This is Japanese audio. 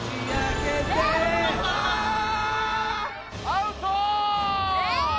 アウト！